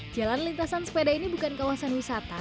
jalan lintasan sepeda ini bukan kawasan wisata